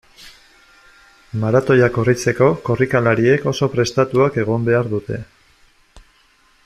Maratoia korritzeko, korrikalariek oso prestatuak egon behar dute.